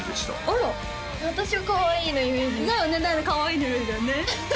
あら私かわいいのイメージですだよねだよねかわいいのイメージだよね